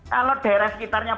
kalau daerah sekitarnya